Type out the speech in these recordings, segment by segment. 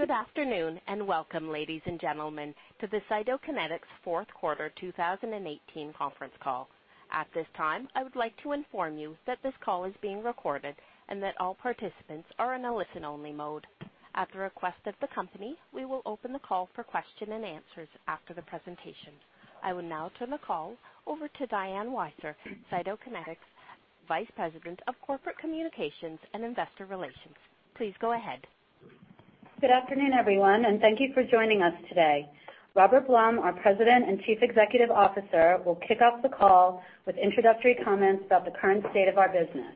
Good afternoon, welcome, ladies and gentlemen, to the Cytokinetics fourth quarter 2018 conference call. At this time, I would like to inform you that this call is being recorded and that all participants are in a listen-only mode. At the request of the company, we will open the call for question and answers after the presentation. I will now turn the call over to Diane Weisser, Cytokinetics Vice President of Corporate Communications and Investor Relations. Please go ahead. Good afternoon, everyone, thank you for joining us today. Robert Blum, our President and Chief Executive Officer, will kick off the call with introductory comments about the current state of our business.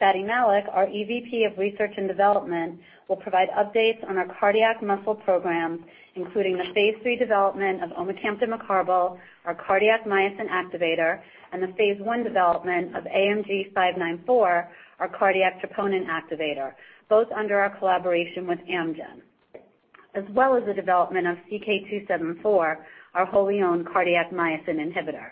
Fady Malik, our EVP of Research and Development, will provide updates on our cardiac muscle program, including the phase III development of omecamtiv mecarbil, our cardiac myosin activator, and the phase I development of AMG-594, our cardiac troponin activator, both under our collaboration with Amgen, as well as the development of CK-274, our wholly owned cardiac myosin inhibitor.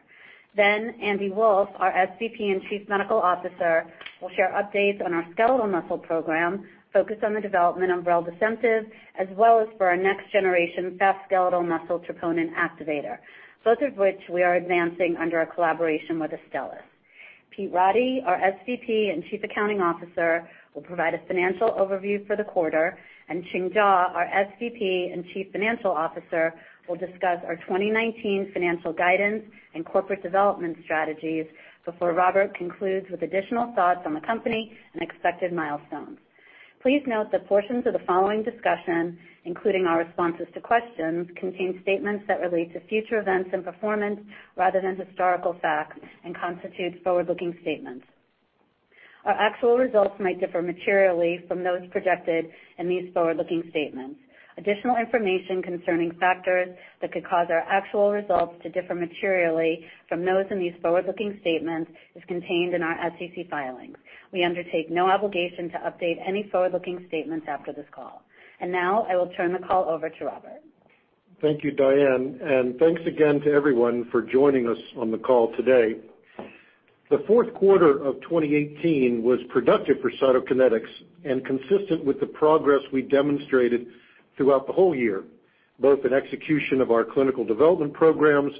Andy Wolff, our SVP and Chief Medical Officer, will share updates on our skeletal muscle program focused on the development of reldesemtiv, as well as for our next-generation fast skeletal muscle troponin activator, both of which we are advancing under our collaboration with Astellas. Pete Roddy, our SVP and Chief Accounting Officer, will provide a financial overview for the quarter, Ching Jaw, our SVP and Chief Financial Officer, will discuss our 2019 financial guidance and corporate development strategies before Robert concludes with additional thoughts on the company and expected milestones. Please note that portions of the following discussion, including our responses to questions, contain statements that relate to future events and performance rather than historical facts and constitute forward-looking statements. Our actual results might differ materially from those projected in these forward-looking statements. Additional information concerning factors that could cause our actual results to differ materially from those in these forward-looking statements is contained in our SEC filings. We undertake no obligation to update any forward-looking statements after this call. Now, I will turn the call over to Robert. Thank you, Diane, thanks again to everyone for joining us on the call today. The fourth quarter of 2018 was productive for Cytokinetics and consistent with the progress we demonstrated throughout the whole year, both in execution of our clinical development programs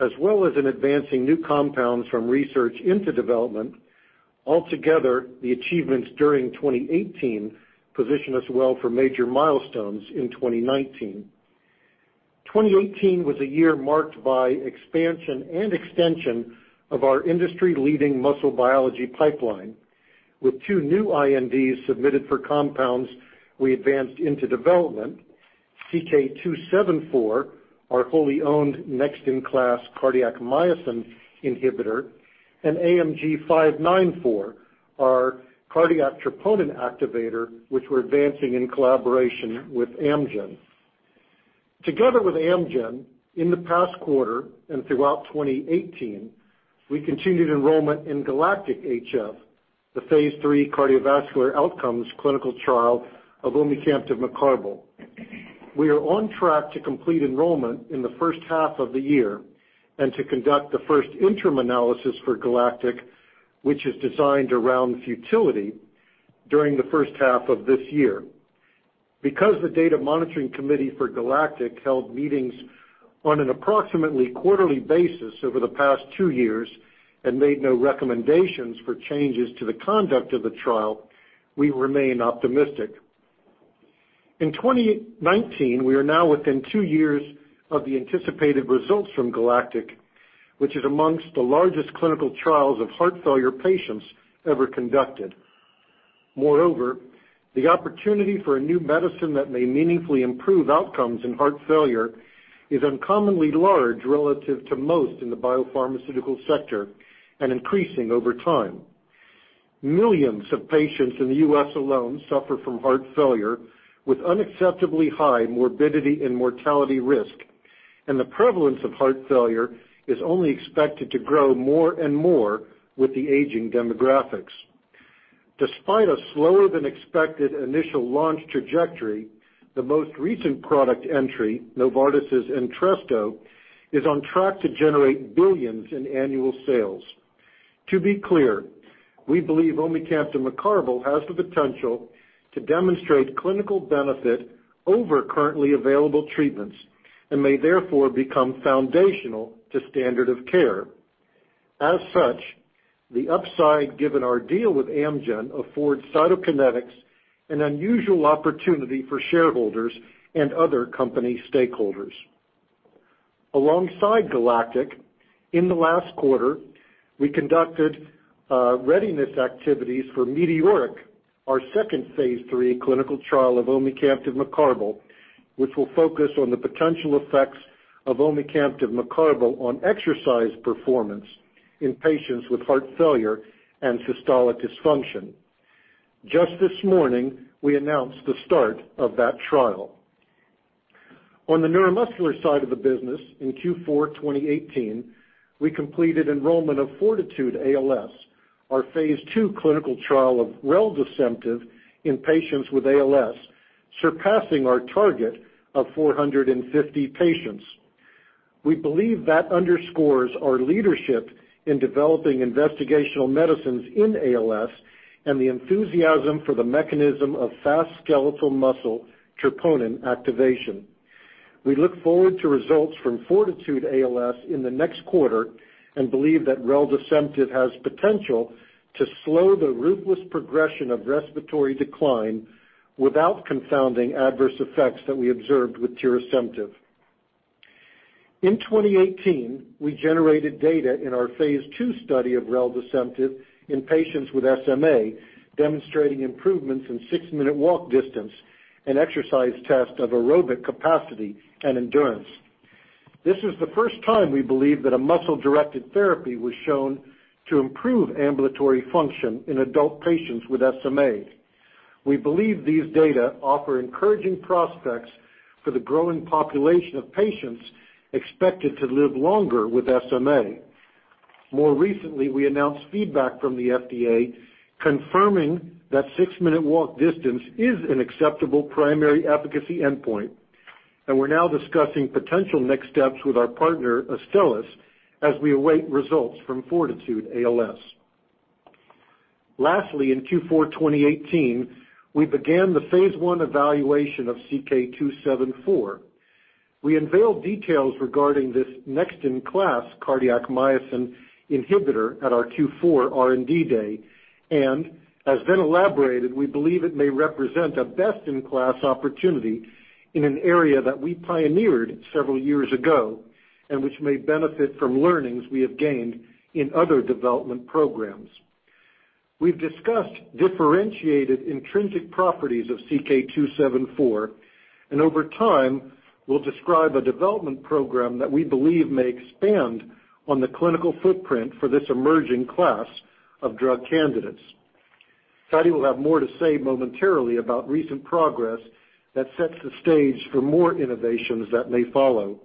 as well as in advancing new compounds from research into development. Altogether, the achievements during 2018 position us well for major milestones in 2019. 2018 was a year marked by expansion and extension of our industry-leading muscle biology pipeline with two new INDs submitted for compounds we advanced into development. CK-274, our wholly owned next-in-class cardiac myosin inhibitor, and AMG-594, our cardiac troponin activator, which we are advancing in collaboration with Amgen. Together with Amgen, in the past quarter and throughout 2018, we continued enrollment in GALACTIC-HF, the phase III cardiovascular outcomes clinical trial of omecamtiv mecarbil. We are on track to complete enrollment in the first half of the year and to conduct the first interim analysis for GALACTIC, which is designed around futility during the first half of this year. Because the Data Monitoring Committee for GALACTIC held meetings on an approximately quarterly basis over the past two years and made no recommendations for changes to the conduct of the trial, we remain optimistic. In 2019, we are now within two years of the anticipated results from GALACTIC, which is amongst the largest clinical trials of heart failure patients ever conducted. Moreover, the opportunity for a new medicine that may meaningfully improve outcomes in heart failure is uncommonly large relative to most in the biopharmaceutical sector and increasing over time. Millions of patients in the U.S. alone suffer from heart failure with unacceptably high morbidity and mortality risk, and the prevalence of heart failure is only expected to grow more and more with the aging demographics. Despite a slower-than-expected initial launch trajectory, the most recent product entry, Novartis' Entresto, is on track to generate billions in annual sales. To be clear, we believe omecamtiv mecarbil has the potential to demonstrate clinical benefit over currently available treatments and may therefore become foundational to standard of care. As such, the upside given our deal with Amgen affords Cytokinetics an unusual opportunity for shareholders and other company stakeholders. Alongside GALACTIC, in the last quarter, we conducted readiness activities for METEORIC-HF, our second phase III clinical trial of omecamtiv mecarbil, which will focus on the potential effects of omecamtiv mecarbil on exercise performance in patients with heart failure and systolic dysfunction. Just this morning, we announced the start of that trial. On the neuromuscular side of the business in Q4 2018, we completed enrollment of FORTITUDE-ALS, our phase II clinical trial of reldesemtiv in patients with ALS, surpassing our target of 450 patients. We believe that underscores our leadership in developing investigational medicines in ALS and the enthusiasm for the mechanism of fast skeletal muscle troponin activation. We look forward to results from FORTITUDE-ALS in the next quarter and believe that reldesemtiv has potential to slow the ruthless progression of respiratory decline without confounding adverse effects that we observed with tirasemtiv. In 2018, we generated data in our phase II study of reldesemtiv in patients with SMA, demonstrating improvements in six-minute walk distance and exercise test of aerobic capacity and endurance. This is the first time we believe that a muscle-directed therapy was shown to improve ambulatory function in adult patients with SMA. We believe these data offer encouraging prospects for the growing population of patients expected to live longer with SMA. More recently, we announced feedback from the FDA confirming that six-minute walk distance is an acceptable primary efficacy endpoint, and we are now discussing potential next steps with our partner, Astellas, as we await results from FORTITUDE-ALS. Lastly, in Q4 2018, we began the phase I evaluation of CK-274. We unveiled details regarding this next-in-class cardiac myosin inhibitor at our Q4 R&D Day, and as Ben elaborated, we believe it may represent a best-in-class opportunity in an area that we pioneered several years ago and which may benefit from learnings we have gained in other development programs. We've discussed differentiated intrinsic properties of CK-274. Over time, we'll describe a development program that we believe may expand on the clinical footprint for this emerging class of drug candidates. Fady will have more to say momentarily about recent progress that sets the stage for more innovations that may follow.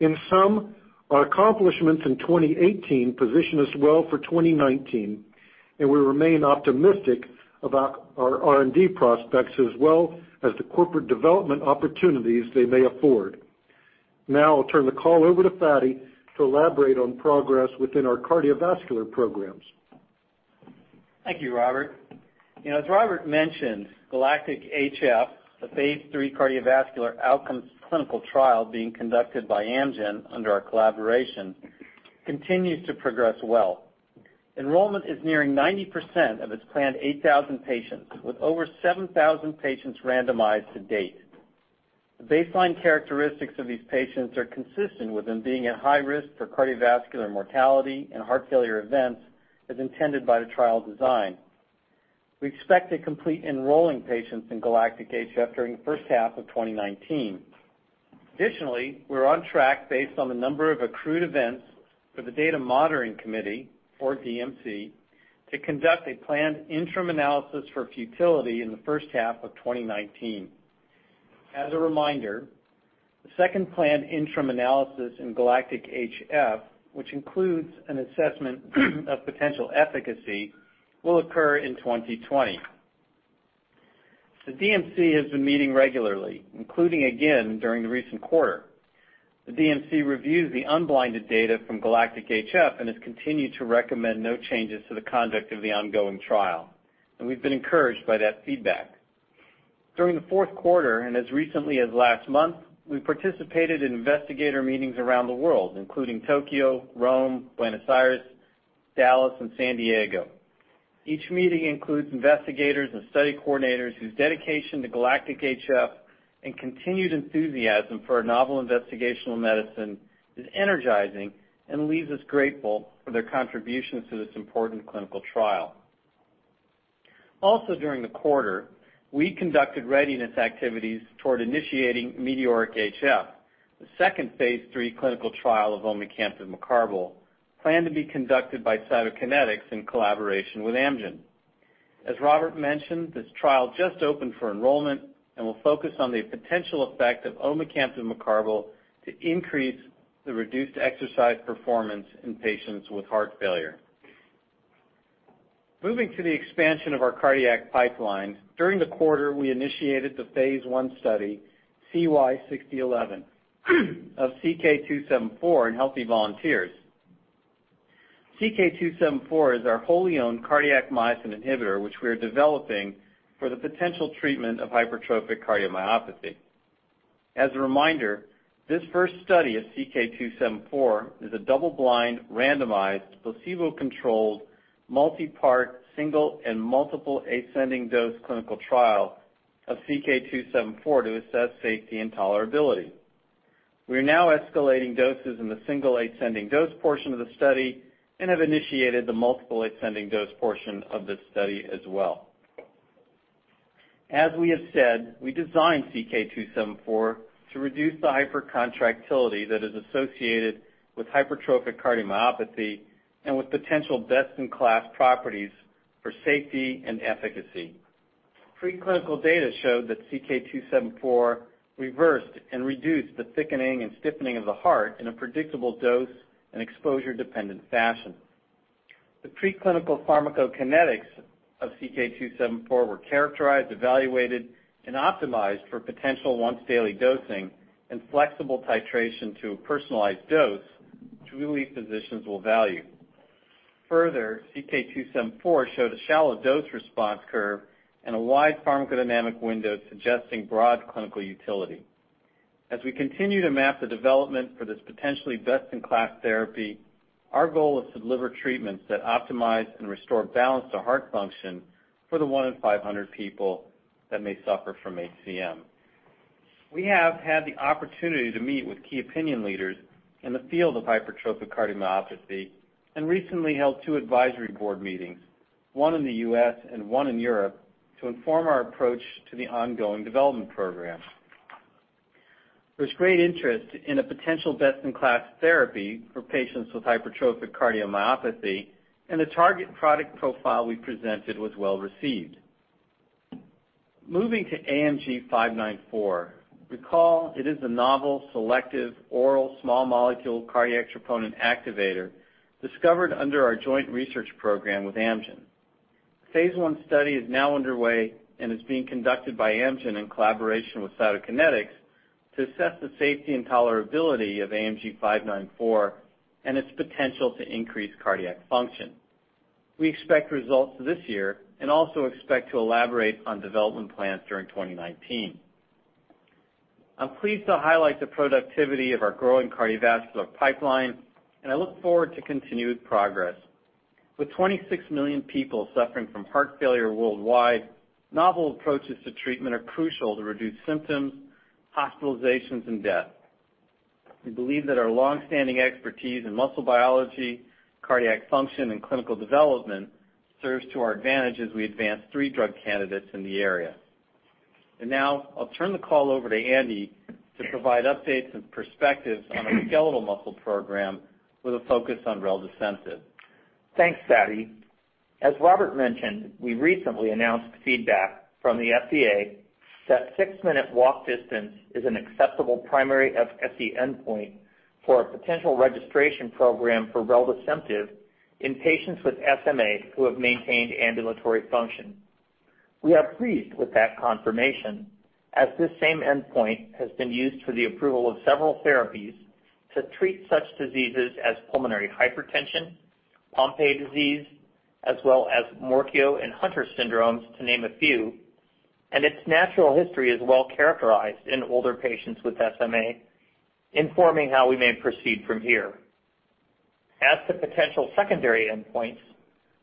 In sum, our accomplishments in 2018 position us well for 2019, and we remain optimistic about our R&D prospects as well as the corporate development opportunities they may afford. Now I'll turn the call over to Fady to elaborate on progress within our cardiovascular programs. Thank you, Robert. As Robert mentioned, GALACTIC-HF, the phase III cardiovascular outcomes clinical trial being conducted by Amgen under our collaboration, continues to progress well. Enrollment is nearing 90% of its planned 8,000 patients, with over 7,000 patients randomized to date. The baseline characteristics of these patients are consistent with them being at high risk for cardiovascular mortality and heart failure events, as intended by the trial design. We expect to complete enrolling patients in GALACTIC-HF during the first half of 2019. Additionally, we're on track based on the number of accrued events for the Data Monitoring Committee, or DMC, to conduct a planned interim analysis for futility in the first half of 2019. As a reminder, the second planned interim analysis in GALACTIC-HF, which includes an assessment of potential efficacy, will occur in 2020. The DMC has been meeting regularly, including again during the recent quarter. The DMC reviews the unblinded data from GALACTIC-HF, has continued to recommend no changes to the conduct of the ongoing trial, and we've been encouraged by that feedback. During the fourth quarter, as recently as last month, we participated in investigator meetings around the world, including Tokyo, Rome, Buenos Aires, Dallas, and San Diego. Each meeting includes investigators and study coordinators whose dedication to GALACTIC-HF and continued enthusiasm for our novel investigational medicine is energizing and leaves us grateful for their contributions to this important clinical trial. Also during the quarter, we conducted readiness activities toward initiating METEORIC-HF, the second phase III clinical trial of omecamtiv mecarbil, planned to be conducted by Cytokinetics in collaboration with Amgen. As Robert mentioned, this trial just opened for enrollment and will focus on the potential effect of omecamtiv mecarbil to increase the reduced exercise performance in patients with heart failure. Moving to the expansion of our cardiac pipeline, during the quarter, we initiated the phase I study CY 6011 of CK-274 in healthy volunteers. CK-274 is our wholly owned cardiac myosin inhibitor, which we are developing for the potential treatment of hypertrophic cardiomyopathy. As a reminder, this first study of CK-274 is a double-blind, randomized, placebo-controlled, multi-part, single and multiple ascending-dose clinical trial of CK-274 to assess safety and tolerability. We are now escalating doses in the single ascending-dose portion of the study and have initiated the multiple ascending-dose portion of this study as well. As we have said, we designed CK-274 to reduce the hypercontractility that is associated with hypertrophic cardiomyopathy and with potential best-in-class properties for safety and efficacy. Preclinical data showed that CK-274 reversed and reduced the thickening and stiffening of the heart in a predictable dose and exposure-dependent fashion. The preclinical pharmacokinetics of CK-274 were characterized, evaluated, and optimized for potential once-daily dosing and flexible titration to a personalized dose, which we believe physicians will value. Further, CK-274 showed a shallow dose response curve and a wide pharmacodynamic window suggesting broad clinical utility. As we continue to map the development for this potentially best-in-class therapy, our goal is to deliver treatments that optimize and restore balance to heart function for the one in 500 people that may suffer from HCM. We have had the opportunity to meet with key opinion leaders in the field of hypertrophic cardiomyopathy and recently held two advisory board meetings, one in the U.S. and one in Europe, to inform our approach to the ongoing development program. There's great interest in a potential best-in-class therapy for patients with hypertrophic cardiomyopathy. The target product profile we presented was well-received. Moving to AMG-594. Recall it is a novel selective oral small molecule cardiac troponin activator discovered under our joint research program with Amgen. Phase I study is now underway and is being conducted by Amgen in collaboration with Cytokinetics to assess the safety and tolerability of AMG-594 and its potential to increase cardiac function. We expect results this year and also expect to elaborate on development plans during 2019. I'm pleased to highlight the productivity of our growing cardiovascular pipeline. I look forward to continued progress. With 26 million people suffering from heart failure worldwide, novel approaches to treatment are crucial to reduce symptoms, hospitalizations, and death. We believe that our longstanding expertise in muscle biology, cardiac function, and clinical development serves to our advantage as we advance three drug candidates in the area. Now I'll turn the call over to Andy to provide updates and perspectives on our skeletal muscle program with a focus on reldesemtiv. Thanks, Fady. As Robert mentioned, we recently announced feedback from the FDA that six-minute walk distance is an acceptable primary efficacy endpoint for a potential registration program for reldesemtiv in patients with SMA who have maintained ambulatory function. We are pleased with that confirmation, as this same endpoint has been used for the approval of several therapies to treat such diseases as pulmonary hypertension, Pompe disease, as well as Morquio and Hunter syndromes, to name a few, and its natural history is well-characterized in older patients with SMA, informing how we may proceed from here. As to potential secondary endpoints,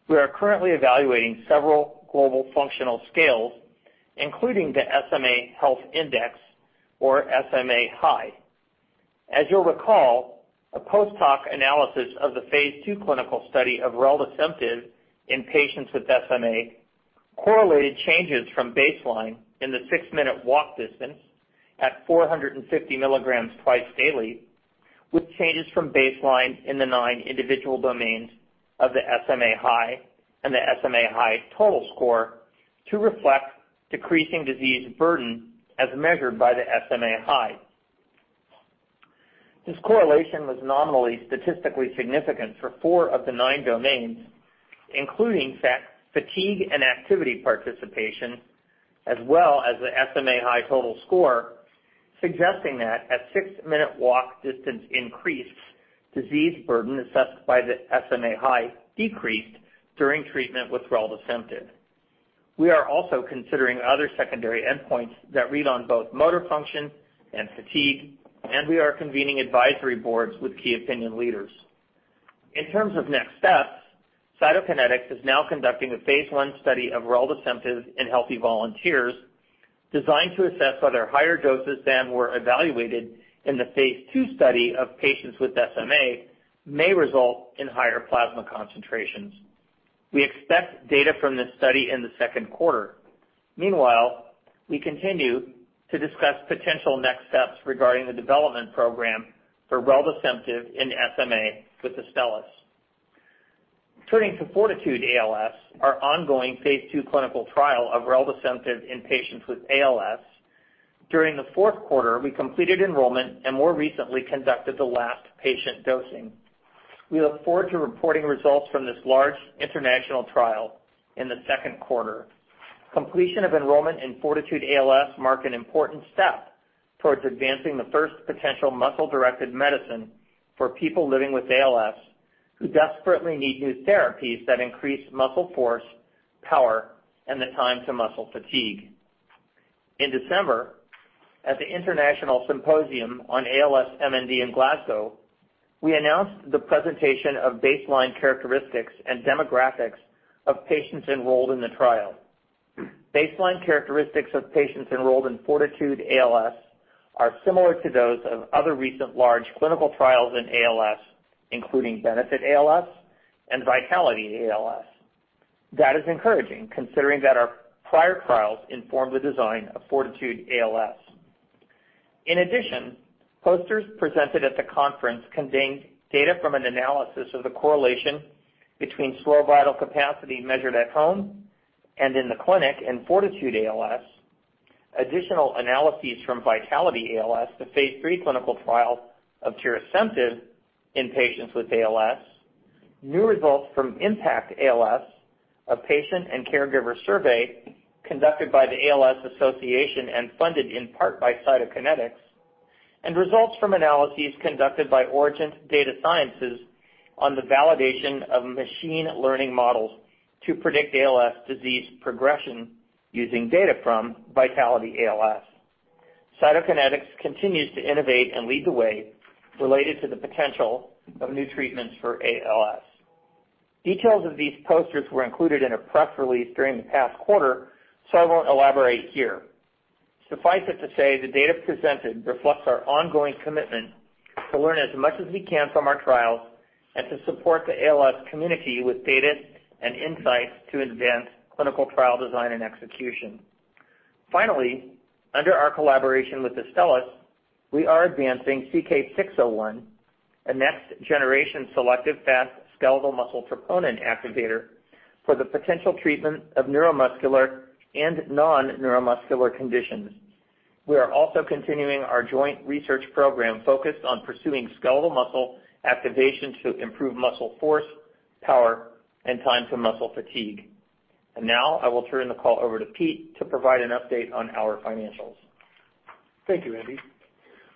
we are currently evaluating several global functional scales, including the SMA Health Index, or SMAHI. As you'll recall, a post-hoc analysis of the phase II clinical study of reldesemtiv in patients with SMA correlated changes from baseline in the six-minute walk distance at 450 milligrams twice daily, with changes from baseline in the nine individual domains of the SMAHI and the SMAHI total score to reflect decreasing disease burden as measured by the SMAHI. This correlation was nominally statistically significant for four of the nine domains, including fatigue and activity participation, as well as the SMAHI total score, suggesting that as six-minute walk distance increased, disease burden assessed by the SMAHI decreased during treatment with reldesemtiv. We are also considering other secondary endpoints that read on both motor function and fatigue, and we are convening advisory boards with key opinion leaders. In terms of next steps, Cytokinetics is now conducting a phase I study of reldesemtiv in healthy volunteers designed to assess whether higher doses than were evaluated in the phase II study of patients with SMA may result in higher plasma concentrations. We expect data from this study in the second quarter. Meanwhile, we continue to discuss potential next steps regarding the development program for reldesemtiv in SMA with Astellas. Turning to FORTITUDE-ALS, our ongoing phase II clinical trial of reldesemtiv in patients with ALS. During the fourth quarter, we completed enrollment and more recently conducted the last patient dosing. We look forward to reporting results from this large international trial in the second quarter. Completion of enrollment in FORTITUDE-ALS mark an important step towards advancing the first potential muscle-directed medicine for people living with ALS who desperately need new therapies that increase muscle force, power, and the time to muscle fatigue. In December, at the International Symposium on ALS/MND in Glasgow, we announced the presentation of baseline characteristics and demographics of patients enrolled in the trial. Baseline characteristics of patients enrolled in FORTITUDE-ALS are similar to those of other recent large clinical trials in ALS, including BENEFIT-ALS and VITALITY-ALS. That is encouraging considering that our prior trials informed the design of FORTITUDE-ALS. In addition, posters presented at the conference contained data from an analysis of the correlation between slow vital capacity measured at home and in the clinic in FORTITUDE-ALS. Additional analyses from VITALITY-ALS, the phase III clinical trial of tirasemtiv in patients with ALS, new results from IMPACT-ALS, a patient and caregiver survey conducted by the ALS Association and funded in part by Cytokinetics, and results from analyses conducted by Origin Data Sciences on the validation of machine learning models to predict ALS disease progression using data from VITALITY-ALS. Cytokinetics continues to innovate and lead the way related to the potential of new treatments for ALS. Details of these posters were included in a press release during the past quarter, I won't elaborate here. Suffice it to say, the data presented reflects our ongoing commitment to learn as much as we can from our trials and to support the ALS community with data and insights to advance clinical trial design and execution. Finally, under our collaboration with Astellas, we are advancing CK-601, a next-generation selective fast skeletal muscle troponin activator for the potential treatment of neuromuscular and non-neuromuscular conditions. We are also continuing our joint research program focused on pursuing skeletal muscle activation to improve muscle force, power, and time to muscle fatigue. Now I will turn the call over to Pete to provide an update on our financials. Thank you, Andy.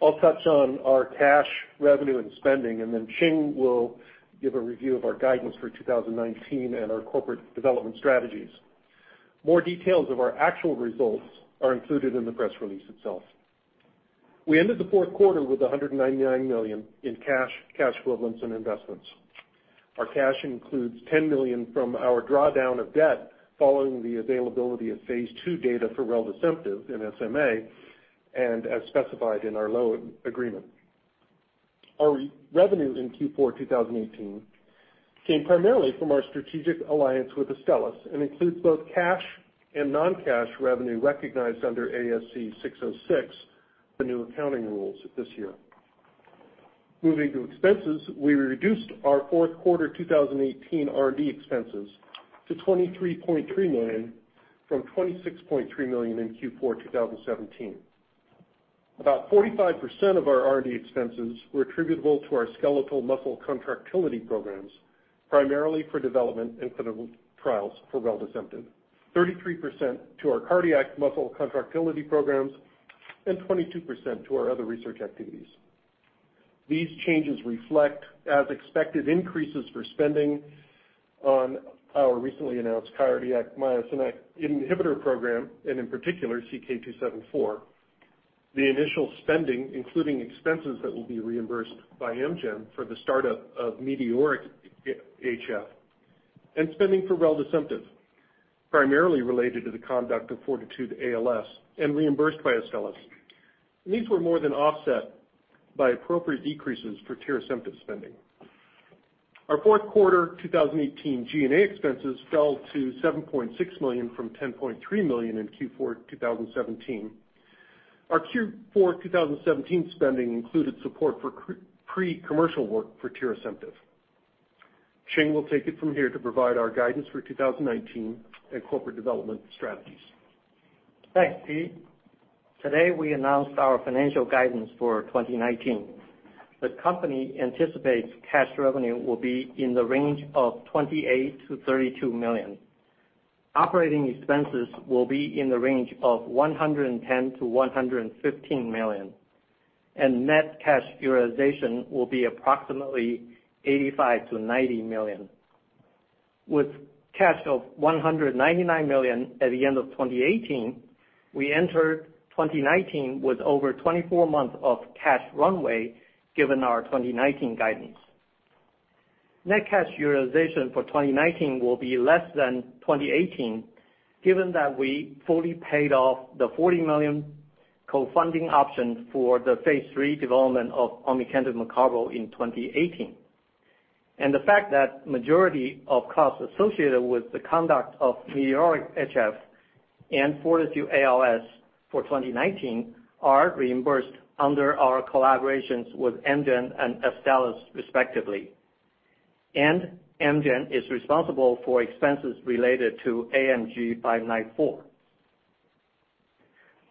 I'll touch on our cash, revenue, and spending, then Ching will give a review of our guidance for 2019 and our corporate development strategies. More details of our actual results are included in the press release itself. We ended the fourth quarter with $199 million in cash equivalents, and investments. Our cash includes $10 million from our drawdown of debt following the availability of phase II data for reldesemtiv in SMA and as specified in our loan agreement. Our revenue in Q4 2018 came primarily from our strategic alliance with Astellas and includes both cash and non-cash revenue recognized under ASC 606, the new accounting rules this year. Moving to expenses, we reduced our fourth quarter 2018 R&D expenses to $23.3 million from $26.3 million in Q4 2017. About 45% of our R&D expenses were attributable to our skeletal muscle contractility programs, primarily for development and clinical trials for reldesemtiv, 33% to our cardiac muscle contractility programs, and 22% to our other research activities. These changes reflect as expected increases for spending on our recently announced cardiac myosin inhibitor program, and in particular, CK-274. The initial spending, including expenses that will be reimbursed by Amgen for the startup of METEORIC-HF and spending for reldesemtiv, primarily related to the conduct of FORTITUDE-ALS and reimbursed by Astellas. These were more than offset by appropriate decreases for tirasemtiv spending. Our fourth quarter 2018 G&A expenses fell to $7.6 million from $10.3 million in Q4 2017. Our Q4 2017 spending included support for pre-commercial work for tirasemtiv. Ching will take it from here to provide our guidance for 2019 and corporate development strategies. Thanks, Pete. Today, we announced our financial guidance for 2019. The company anticipates cash revenue will be in the range of $28 million-$32 million. Operating expenses will be in the range of $110 million-$115 million, and net cash utilization will be approximately $85 million-$90 million. With cash of $199 million at the end of 2018, we entered 2019 with over 24 months of cash runway given our 2019 guidance. Net cash utilization for 2019 will be less than 2018 given that we fully paid off the $40 million co-funding option for the phase III development of omecamtiv mecarbil in 2018. The fact that majority of costs associated with the conduct of METEORIC-HF and FORTITUDE-ALS for 2019 are reimbursed under our collaborations with Amgen and Astellas respectively. Amgen is responsible for expenses related to AMG-594.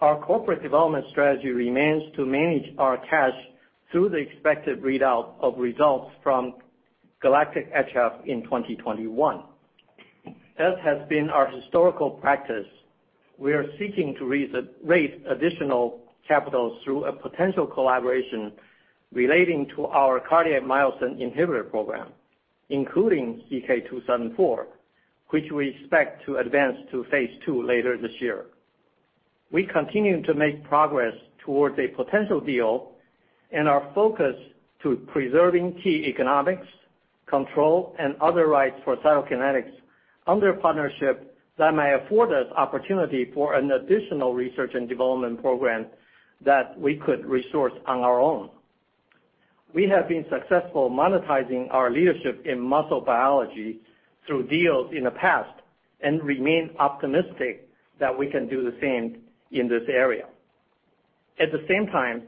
Our corporate development strategy remains to manage our cash through the expected readout of results from GALACTIC-HF in 2021. As has been our historical practice, we are seeking to raise additional capital through a potential collaboration relating to our cardiac myosin inhibitor program, including CK-274, which we expect to advance to phase II later this year. We continue to make progress towards a potential deal and are focused to preserving key economics, control, and other rights for Cytokinetics under a partnership that may afford us opportunity for an additional research and development program that we could resource on our own. We have been successful monetizing our leadership in muscle biology through deals in the past and remain optimistic that we can do the same in this area. At the same time,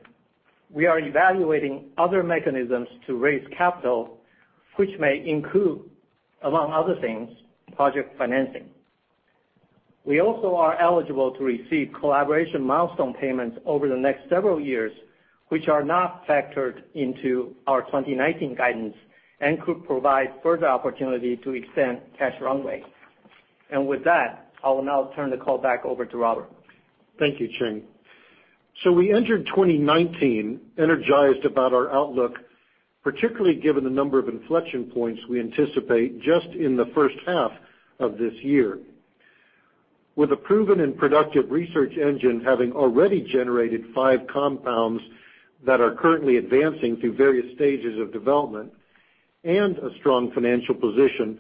we are evaluating other mechanisms to raise capital, which may include, among other things, project financing. We also are eligible to receive collaboration milestone payments over the next several years, which are not factored into our 2019 guidance and could provide further opportunity to extend cash runway. With that, I will now turn the call back over to Robert. Thank you, Ching. We entered 2019 energized about our outlook, particularly given the number of inflection points we anticipate just in the first half of this year. With a proven and productive research engine having already generated five compounds that are currently advancing through various stages of development and a strong financial position,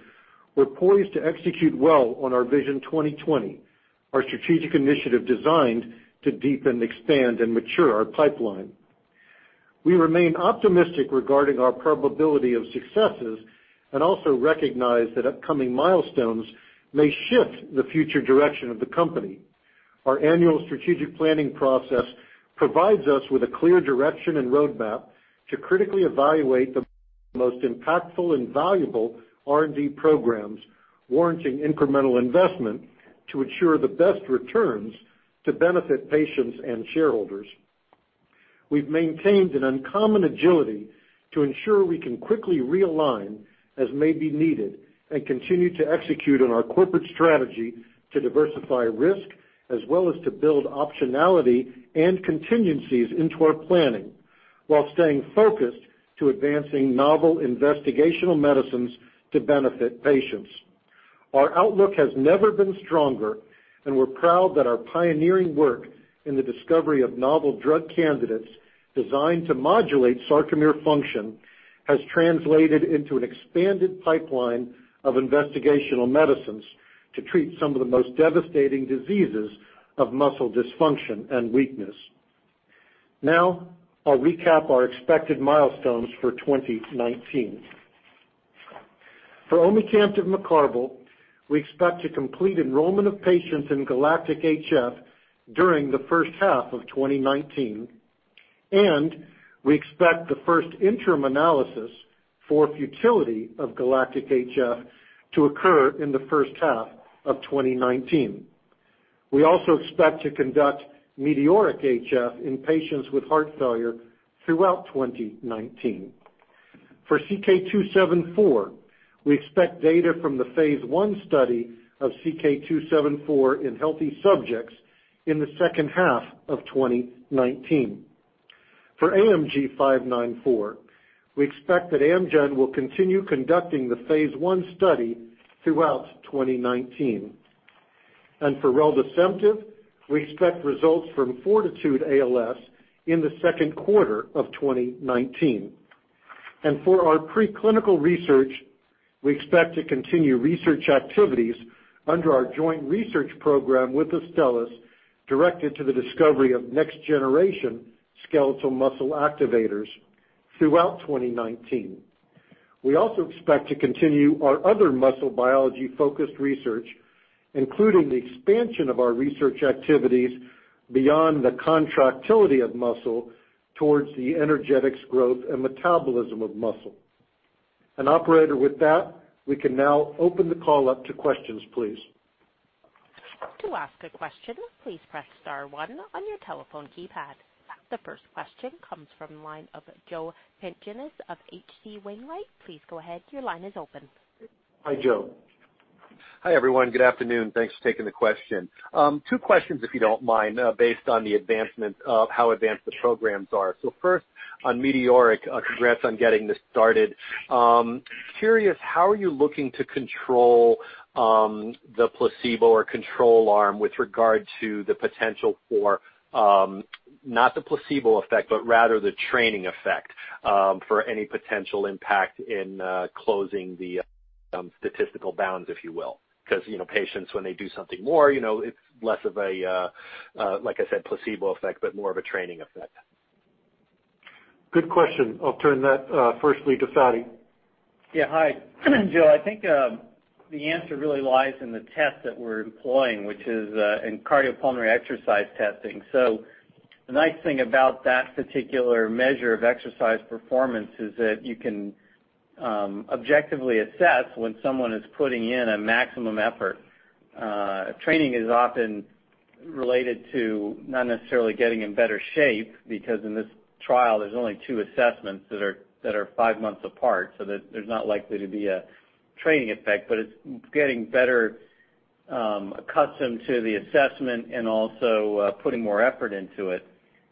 we're poised to execute well on our Vision 2020, our strategic initiative designed to deepen, expand, and mature our pipeline. We remain optimistic regarding our probability of successes and also recognize that upcoming milestones may shift the future direction of the company. Our annual strategic planning process provides us with a clear direction and roadmap to critically evaluate the most impactful and valuable R&D programs warranting incremental investment to ensure the best returns to benefit patients and shareholders. We've maintained an uncommon agility to ensure we can quickly realign as may be needed and continue to execute on our corporate strategy to diversify risk, as well as to build optionality and contingencies into our planning while staying focused to advancing novel investigational medicines to benefit patients. Our outlook has never been stronger, and we're proud that our pioneering work in the discovery of novel drug candidates designed to modulate sarcomere function has translated into an expanded pipeline of investigational medicines to treat some of the most devastating diseases of muscle dysfunction and weakness. Now, I'll recap our expected milestones for 2019. For omecamtiv mecarbil, we expect to complete enrollment of patients in GALACTIC-HF during the first half of 2019, and we expect the first interim analysis for futility of GALACTIC-HF to occur in the first half of 2019. We also expect to conduct METEORIC-HF in patients with heart failure throughout 2019. For CK-274, we expect data from the phase I study of CK-274 in healthy subjects in the second half of 2019. For AMG-594, we expect that Amgen will continue conducting the phase I study throughout 2019. For reldesemtiv, we expect results from FORTITUDE-ALS in the second quarter of 2019. For our preclinical research, we expect to continue research activities under our joint research program with Astellas directed to the discovery of next generation skeletal muscle activators throughout 2019. We also expect to continue our other muscle biology-focused research, including the expansion of our research activities beyond the contractility of muscle towards the energetics growth and metabolism of muscle. Operator, with that, we can now open the call up to questions, please. To ask a question, please press star one on your telephone keypad. The first question comes from the line of Joe Pantginis of H.C. Wainwright. Please go ahead. Your line is open. Hi, Joe. Hi, everyone. Good afternoon. Thanks for taking the question. Two questions if you don't mind, based on how advanced the programs are. First on METEORIC-HF, congrats on getting this started. Curious, how are you looking to control the placebo or control arm with regard to the potential for, not the placebo effect, but rather the training effect, for any potential impact in closing the statistical bounds, if you will? Because patients, when they do something more, it's less of a, like I said, placebo effect, but more of a training effect. Good question. I'll turn that firstly to Fady. Hi, Joe. I think the answer really lies in the test that we're employing, which is in cardiopulmonary exercise testing. The nice thing about that particular measure of exercise performance is that you can objectively assess when someone is putting in a maximum effort. Training is often related to not necessarily getting in better shape because in this trial, there's only two assessments that are five months apart, so there's not likely to be a training effect, but it's getting better accustomed to the assessment and also putting more effort into it.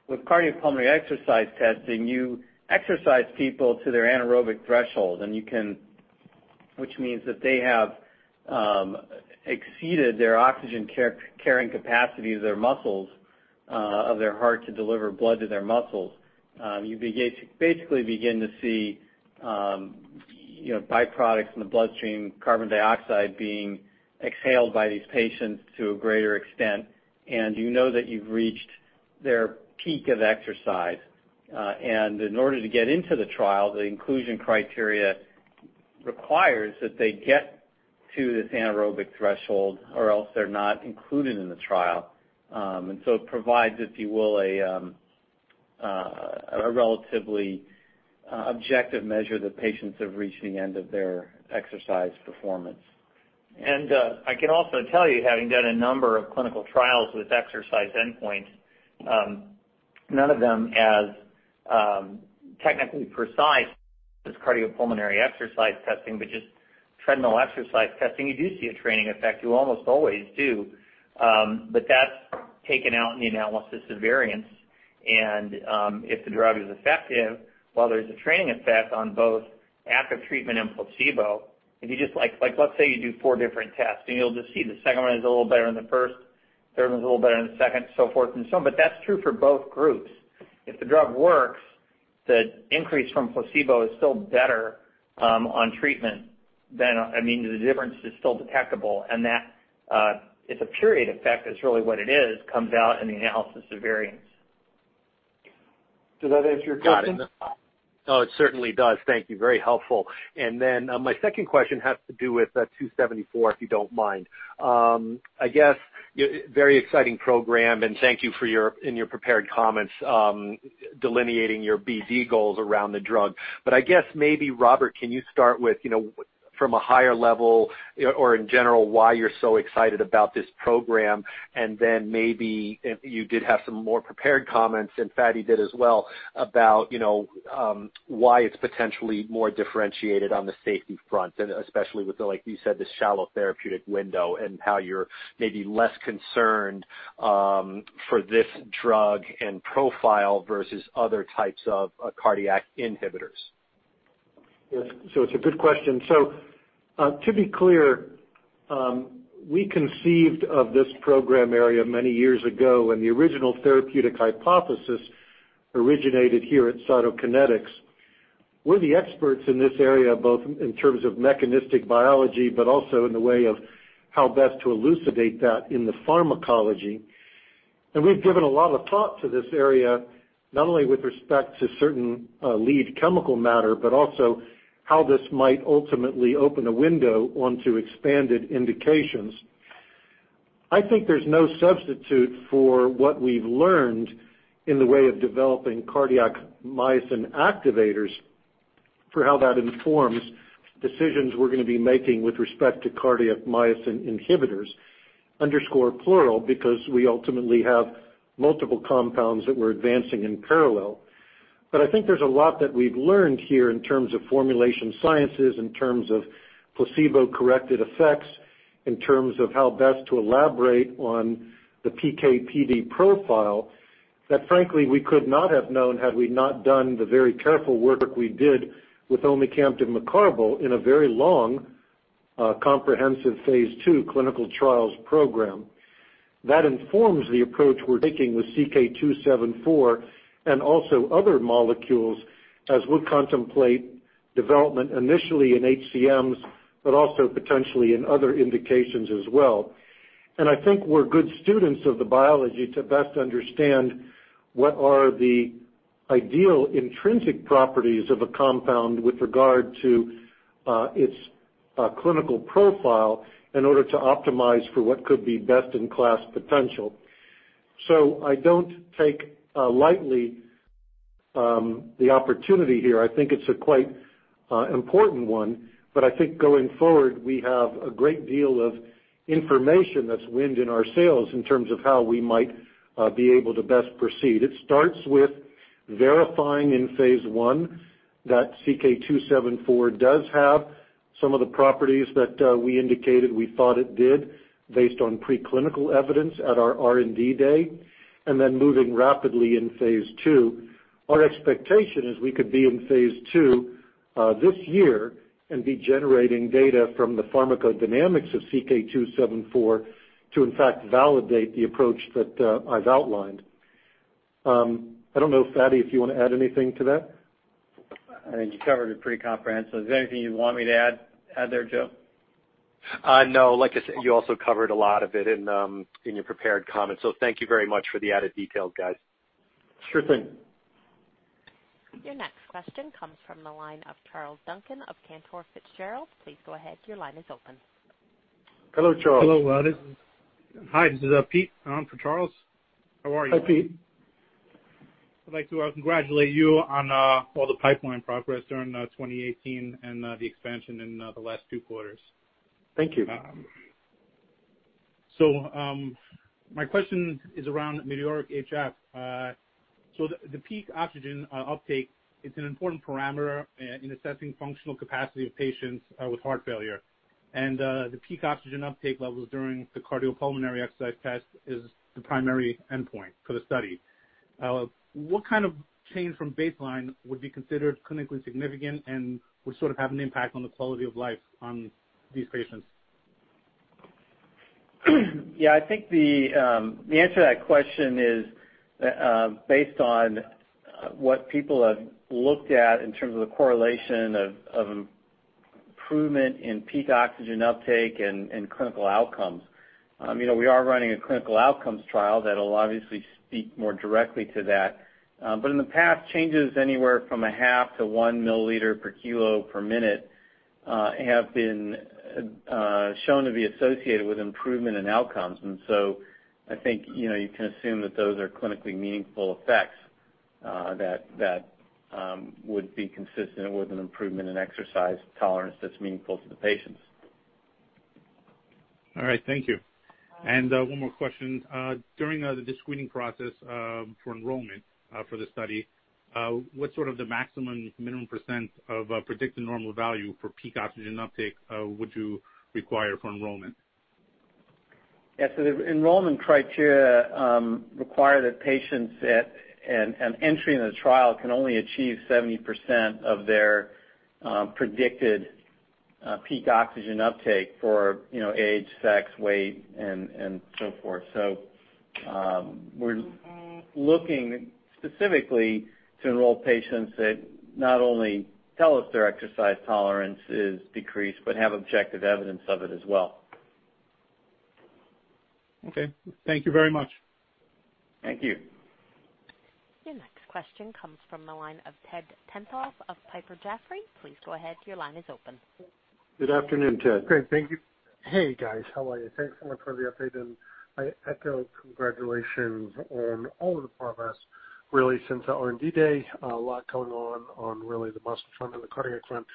With cardiopulmonary exercise testing, you exercise people to their anaerobic threshold, which means that they have exceeded their oxygen carrying capacity of their muscles, of their heart to deliver blood to their muscles. You basically begin to see byproducts in the bloodstream, carbon dioxide being exhaled by these patients to a greater extent, and you know that you've reached their peak of exercise. In order to get into the trial, the inclusion criteria Requires that they get to this anaerobic threshold, or else they're not included in the trial. It provides, if you will, a relatively objective measure that patients have reached the end of their exercise performance. I can also tell you, having done a number of clinical trials with exercise endpoints, none of them as technically precise as cardiopulmonary exercise testing, but just treadmill exercise testing, you do see a training effect. You almost always do. That's taken out in the analysis of variance, and if the drug is effective, while there's a training effect on both active treatment and placebo. Let's say you do four different tests, and you'll just see the second one is a little better than the first, third one's a little better than the second, so forth and so on. That's true for both groups. If the drug works, the increase from placebo is still better on treatment than. The difference is still detectable, that it's a period effect is really what it is, comes out in the analysis of variance. Does that answer your question? Got it. Oh, it certainly does. Thank you. Very helpful. My second question has to do with 274, if you don't mind. Very exciting program, thank you for in your prepared comments, delineating your BD goals around the drug. I guess maybe, Robert, can you start with, from a higher level or in general, why you're so excited about this program, then maybe you did have some more prepared comments, and Fady did as well, about why it's potentially more differentiated on the safety front, especially with the, like you said, this shallow therapeutic window and how you're maybe less concerned for this drug and profile versus other types of cardiac inhibitors. Yes. It's a good question. To be clear, we conceived of this program area many years ago, and the original therapeutic hypothesis originated here at Cytokinetics. We're the experts in this area, both in terms of mechanistic biology, but also in the way of how best to elucidate that in the pharmacology. We've given a lot of thought to this area, not only with respect to certain lead chemical matter, but also how this might ultimately open a window onto expanded indications. I think there's no substitute for what we've learned in the way of developing cardiac myosin activators for how that informs decisions we're going to be making with respect to cardiac myosin inhibitors. Underscore plural, because we ultimately have multiple compounds that we're advancing in parallel. I think there's a lot that we've learned here in terms of formulation sciences, in terms of placebo-corrected effects, in terms of how best to elaborate on the PK/PD profile that frankly, we could not have known had we not done the very careful work we did with omecamtiv mecarbil in a very long, comprehensive phase II clinical trials program. That informs the approach we're taking with CK-274 and also other molecules as we contemplate development initially in HCMs, but also potentially in other indications as well. I think we're good students of the biology to best understand what are the ideal intrinsic properties of a compound with regard to its clinical profile in order to optimize for what could be best-in-class potential. I don't take lightly the opportunity here. I think it's a quite important one. I think going forward, we have a great deal of information that's wind in our sails in terms of how we might be able to best proceed. It starts with verifying in phase I that CK-274 does have some of the properties that we indicated we thought it did based on preclinical evidence at our R&D Day. Then moving rapidly in phase II. Our expectation is we could be in phase II this year and be generating data from the pharmacodynamics of CK-274 to in fact validate the approach that I've outlined. I don't know, Fady, if you want to add anything to that. I think you covered it pretty comprehensive. Is there anything you'd want me to add there, Joe? No, like I said, you also covered a lot of it in your prepared comments. Thank you very much for the added details, guys. Sure thing. Your next question comes from the line of Charles Duncan of Cantor Fitzgerald. Please go ahead. Your line is open. Hello, Charles. Hello. Hi, this is Pete on for Charles. How are you? Hi, Pete. I'd like to congratulate you on all the pipeline progress during 2018 and the expansion in the last two quarters. Thank you. My question is around METEORIC-HF. The peak oxygen uptake, it's an important parameter in assessing functional capacity of patients with heart failure. The peak oxygen uptake levels during the cardiopulmonary exercise test is the primary endpoint for the study. What kind of change from baseline would be considered clinically significant and would sort of have an impact on the quality of life on these patients? Yeah, I think the answer to that question is based on what people have looked at in terms of the correlation of improvement in peak oxygen uptake and clinical outcomes. We are running a clinical outcomes trial that'll obviously speak more directly to that. In the past, changes anywhere from a half to one milliliter per kilo per minute have been shown to be associated with improvement in outcomes. I think you can assume that those are clinically meaningful effects that would be consistent with an improvement in exercise tolerance that's meaningful to the patients. All right. Thank you. One more question. During the screening process for enrollment for the study, what's sort of the maximum minimum percent of predicted normal value for peak oxygen uptake would you require for enrollment? Yeah. The enrollment criteria require that patients at an entry in a trial can only achieve 70% of their predicted peak oxygen uptake for age, sex, weight, and so forth. We're looking specifically to enroll patients that not only tell us their exercise tolerance is decreased but have objective evidence of it as well. Okay. Thank you very much. Thank you. Your next question comes from the line of Ted Tenthoff of Piper Jaffray. Please go ahead. Your line is open. Good afternoon, Ted. Great. Thank you. Hey, guys. How are you? Thanks so much for the update, and I echo congratulations on all of the progress really since the R&D Day. A lot going on really the muscle front and the cardiac front.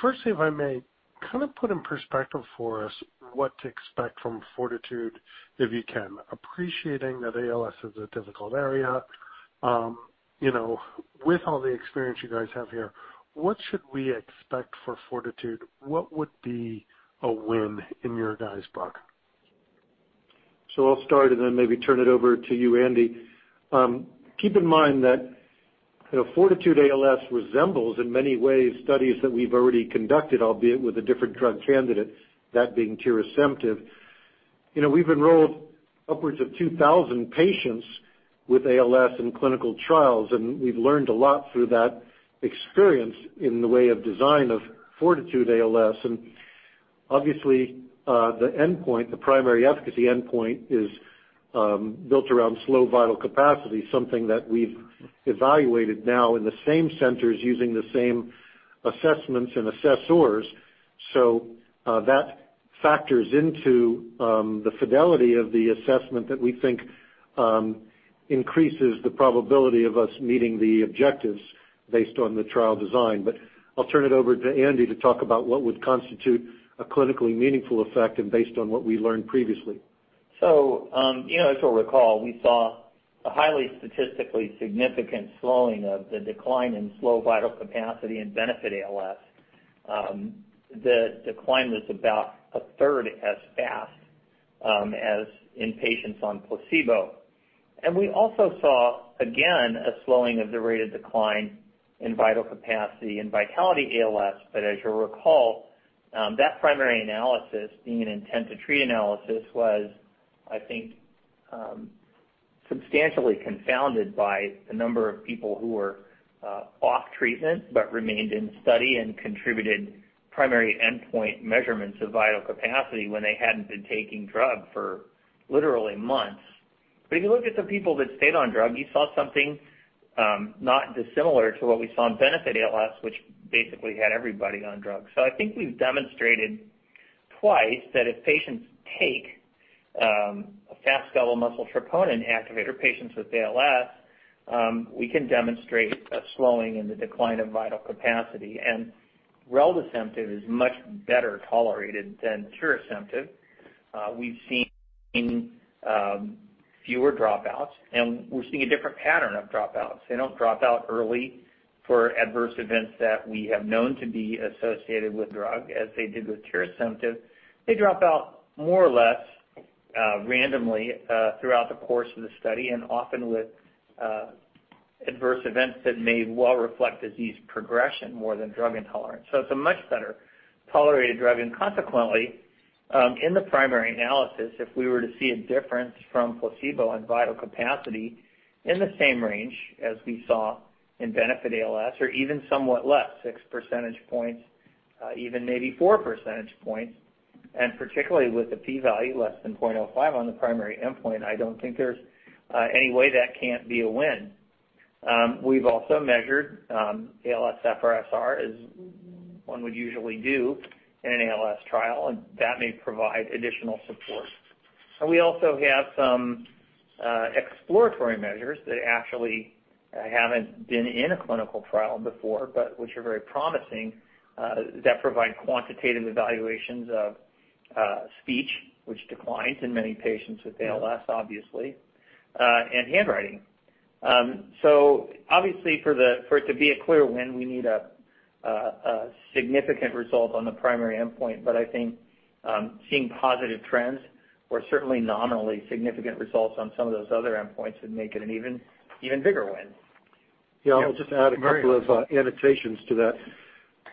Firstly, if I may, kind of put in perspective for us what to expect from FORTITUDE if you can. Appreciating that ALS is a difficult area. With all the experience you guys have here, what should we expect for FORTITUDE? What would be a win in your guys' book? I'll start and then maybe turn it over to you, Andy. Keep in mind that FORTITUDE-ALS resembles in many ways studies that we've already conducted, albeit with a different drug candidate, that being tirasemtiv. We've enrolled upwards of 2,000 patients with ALS in clinical trials, and we've learned a lot through that experience in the way of design of FORTITUDE-ALS. Obviously, the endpoint, the primary efficacy endpoint, is built around slow vital capacity, something that we've evaluated now in the same centers using the same assessments and assessors. That factors into the fidelity of the assessment that we think increases the probability of us meeting the objectives based on the trial design. But I'll turn it over to Andy to talk about what would constitute a clinically meaningful effect and based on what we learned previously. As you'll recall, we saw a highly statistically significant slowing of the decline in slow vital capacity in BENEFIT-ALS. The decline was about a third as fast as in patients on placebo. We also saw, again, a slowing of the rate of decline in vital capacity in VITALITY-ALS. As you'll recall, that primary analysis being an intent-to-treat analysis was, I think, substantially confounded by the number of people who were off treatment but remained in the study and contributed primary endpoint measurements of vital capacity when they hadn't been taking drug for literally months. If you look at the people that stayed on drug, you saw something not dissimilar to what we saw in BENEFIT-ALS, which basically had everybody on drugs. I think we've demonstrated twice that if patients take a fast skeletal muscle troponin activator, patients with ALS, we can demonstrate a slowing in the decline of vital capacity. Reldesemtiv is much better tolerated than tirasemtiv. We've seen fewer dropouts, and we're seeing a different pattern of dropouts. They don't drop out early for adverse events that we have known to be associated with drug as they did with tirasemtiv. They drop out more or less randomly throughout the course of the study and often with adverse events that may well reflect disease progression more than drug intolerance. It's a much better-tolerated drug. Consequently, in the primary analysis, if we were to see a difference from placebo and vital capacity in the same range as we saw in BENEFIT-ALS or even somewhat less, six percentage points, even maybe four percentage points, and particularly with the P value less than 0.05 on the primary endpoint, I don't think there's any way that can't be a win. We've also measured ALSFRS-R as one would usually do in an ALS trial, and that may provide additional support. We also have some exploratory measures that actually haven't been in a clinical trial before, but which are very promising, that provide quantitative evaluations of speech, which declines in many patients with ALS, obviously, and handwriting. Obviously for it to be a clear win, we need a significant result on the primary endpoint, but I think seeing positive trends or certainly nominally significant results on some of those other endpoints would make it an even bigger win. I'll just add a couple of annotations to that.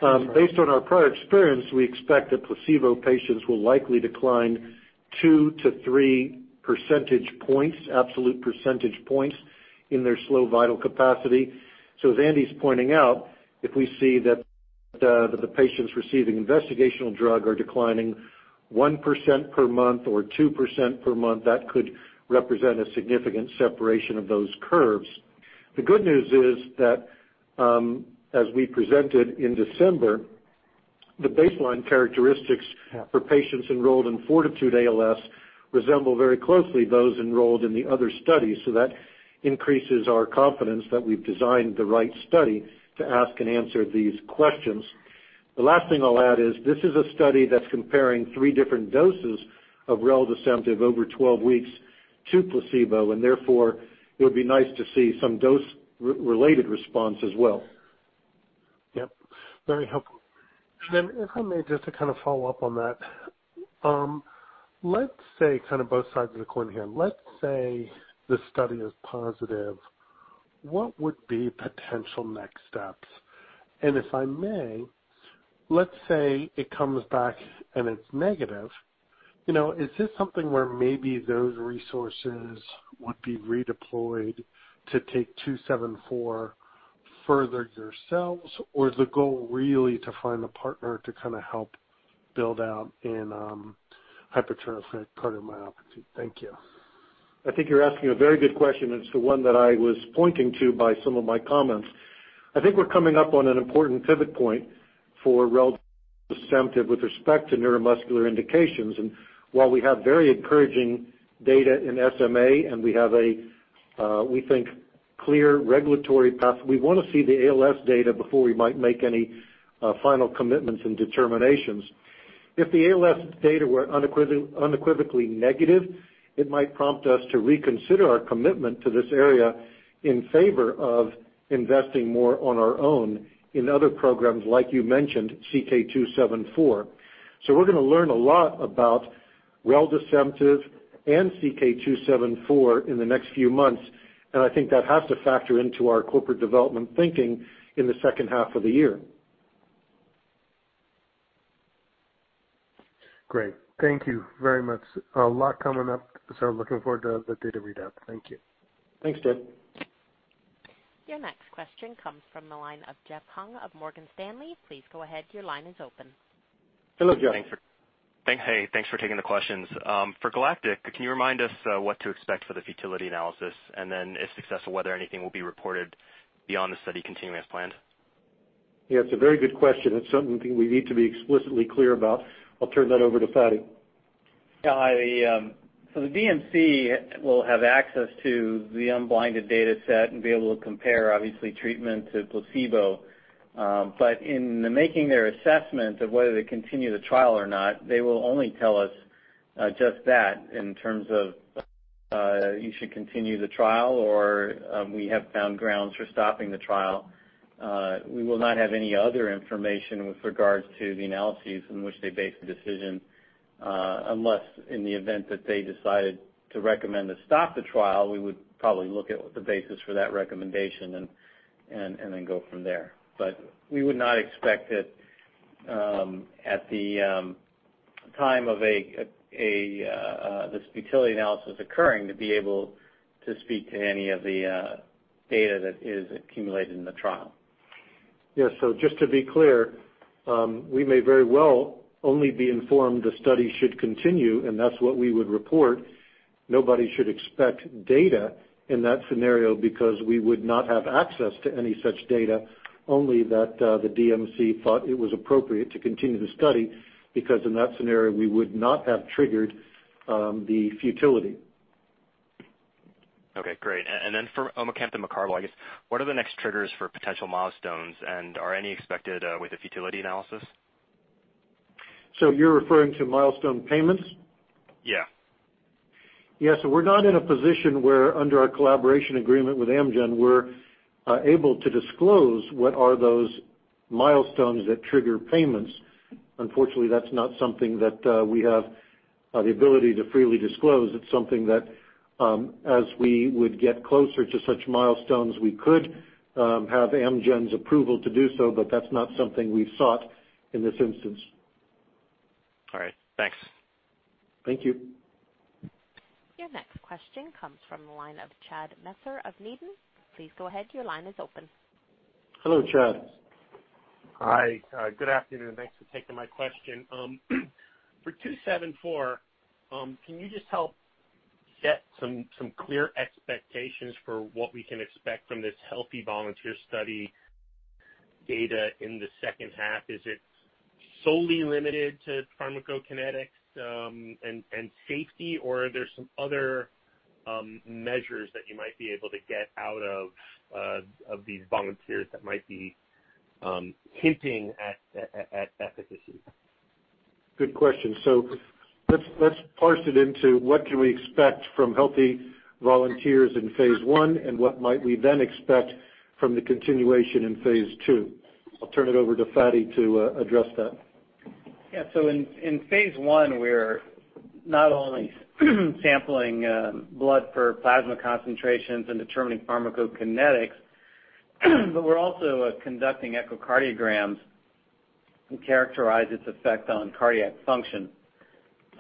Based on our prior experience, we expect that placebo patients will likely decline two to three percentage points, absolute percentage points in their slow vital capacity. As Andy's pointing out, if we see that the patients receiving investigational drug are declining 1% per month or 2% per month, that could represent a significant separation of those curves. The good news is that, as we presented in December, the baseline characteristics. For patients enrolled in FORTITUDE-ALS resemble very closely those enrolled in the other studies. That increases our confidence that we've designed the right study to ask and answer these questions. The last thing I'll add is, this is a study that's comparing three different doses of reldesemtiv over 12 weeks to placebo, therefore, it would be nice to see some dose-related response as well. Very helpful. If I may, just to follow up on that. Both sides of the coin here. Let's say the study is positive. What would be potential next steps? If I may, let's say it comes back and it's negative. Is this something where maybe those resources would be redeployed to take CK-274 further yourselves, or is the goal really to find a partner to help build out in hypertrophic cardiomyopathy? Thank you. I think you're asking a very good question. It's the one that I was pointing to by some of my comments. I think we're coming up on an important pivot point for reldesemtiv with respect to neuromuscular indications. While we have very encouraging data in SMA, we have a, we think, clear regulatory path, we want to see the ALS data before we might make any final commitments and determinations. If the ALS data were unequivocally negative, it might prompt us to reconsider our commitment to this area in favor of investing more on our own in other programs, like you mentioned, CK-274. We're going to learn a lot about reldesemtiv and CK-274 in the next few months, I think that has to factor into our corporate development thinking in the second half of the year. Great. Thank you very much. A lot coming up, so looking forward to the data readout. Thank you. Thanks, Ted. Your next question comes from the line of Jeff Hung of Morgan Stanley. Please go ahead, your line is open. Hello, Jeff. Hey, thanks for taking the questions. For GALACTIC, can you remind us what to expect for the futility analysis? If successful, whether anything will be reported beyond the study continuing as planned? Yeah, it's a very good question. It's something we need to be explicitly clear about. I'll turn that over to Fady. Yeah. The DMC will have access to the unblinded data set and be able to compare, obviously, treatment to placebo. In the making their assessment of whether to continue the trial or not, they will only tell us just that, in terms of, you should continue the trial or we have found grounds for stopping the trial. We will not have any other information with regards to the analyses in which they base the decision. Unless, in the event that they decided to recommend to stop the trial, we would probably look at the basis for that recommendation and then go from there. We would not expect it at the time of this futility analysis occurring, to be able to speak to any of the data that is accumulated in the trial. Yeah. Just to be clear, we may very well only be informed the study should continue, and that's what we would report. Nobody should expect data in that scenario because we would not have access to any such data, only that the DMC thought it was appropriate to continue the study, because in that scenario, we would not have triggered the futility. Okay, great. For omecamtiv mecarbil, I guess, what are the next triggers for potential milestones? Are any expected with a futility analysis? You're referring to milestone payments? Yeah. Yeah. We're not in a position where, under our collaboration agreement with Amgen, we're able to disclose what are those milestones that trigger payments. Unfortunately, that's not something that we have the ability to freely disclose. It's something that, as we would get closer to such milestones, we could have Amgen's approval to do so, but that's not something we've sought in this instance. All right. Thanks. Thank you. Your next question comes from the line of Chad Messer of Needham. Please go ahead, your line is open. Hello, Chad. Hi, good afternoon. Thanks for taking my question. For 274, can you just help set some clear expectations for what we can expect from this healthy volunteer study data in the second half? Is it solely limited to pharmacokinetics and safety, or are there some other measures that you might be able to get out of these volunteers that might be hinting at efficacy? Good question. Let's parse it into what can we expect from healthy volunteers in phase I, and what might we then expect from the continuation in phase II. I'll turn it over to Fady to address that. In phase I, we're not only sampling blood for plasma concentrations and determining pharmacokinetics, but we're also conducting echocardiograms to characterize its effect on cardiac function.